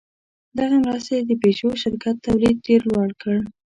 دغې مرستې د پيژو شرکت تولید ډېر لوړ کړ.